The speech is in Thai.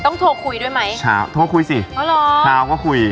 โทรคุยด้วยไหมเช้าโทรคุยสิอ๋อเหรอเช้าก็คุย